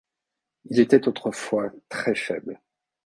Il était autrefois très faible.